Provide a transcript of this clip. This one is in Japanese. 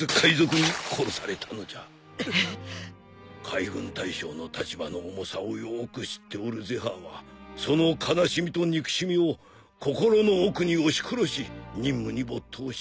海軍大将の立場の重さをよく知っておるゼファーはその悲しみと憎しみを心の奥に押し殺し任務に没頭した。